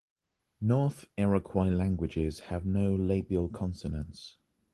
North Iroquois languages have no labial consonants.